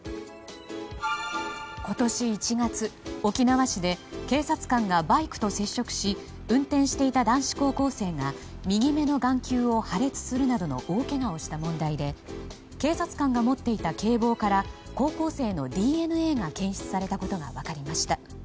今年１月、沖縄市で警察官がバイクと接触し運転していた男子高校生が右目の眼球を破裂するなどの大けがをした問題で警察官が持っていた警棒から高校生のＤＮＡが検出されたことが分かりました。